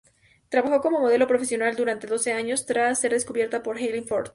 Trabajó como modelo profesional durante doce años tras ser descubierta por Eileen Ford.